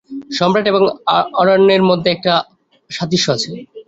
সম্রাট এবং আরণ্যের মধ্যে একটা সাদৃশ্য আছে।